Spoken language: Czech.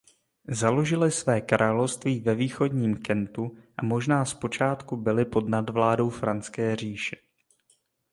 Založili své království ve východním Kentu a možná zpočátku byli pod nadvládou franské říše.